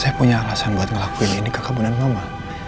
saya punya alasan buat ngelakuin ini ke kabunan mama